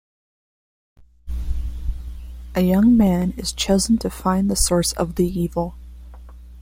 A young man is chosen to find the source of the evil.